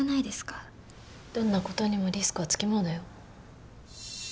どんな事にもリスクはつきものだよ。